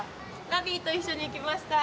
ラビーと一緒に来ました。